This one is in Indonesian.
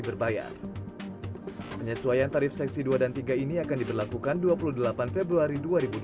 berbayar penyesuaian tarif seksi dua dan tiga ini akan diberlakukan dua puluh delapan februari dua ribu dua puluh